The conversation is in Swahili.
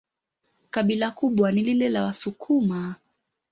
Kabila kubwa ni lile la Wasukuma.